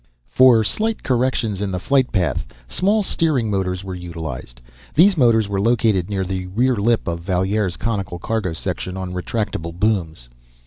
For slight corrections in the flight path, small steering motors were utilized. These motors were located near the rear lip of Valier's conical cargo section on retractable booms.